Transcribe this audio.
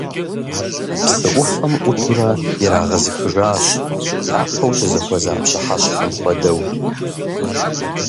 Псы Ӏуфэм Ӏутурэ ирагъэзыхыжащ, япэу щызэхуэза пщыхьэщхьэм хуэдэу.